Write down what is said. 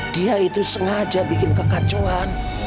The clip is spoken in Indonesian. dia itu sengaja bikin kekacauan